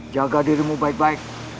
jaga dirimu baik baik